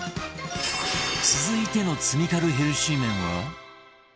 続いての罪軽ヘルシー麺は